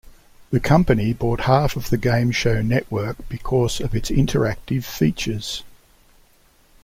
The company bought half of the Game Show Network because of its interactive features.